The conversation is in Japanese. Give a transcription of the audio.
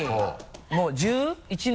もう１１年？